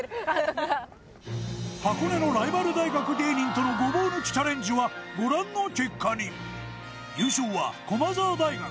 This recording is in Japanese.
箱根のライバル大学芸人とのごぼう抜きチャレンジはご覧の結果に優勝は駒澤大学